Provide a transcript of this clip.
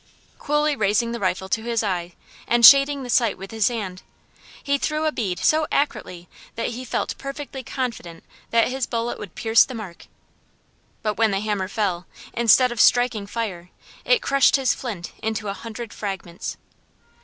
Coolly raising the rifle to his eye, and shading the sight with his hand, he threw a bead so accurately that he felt perfectly confident that his bullet would pierce the mark; but when the hammer fell, instead of striking fire, it crushed his flint into a hundred fragments.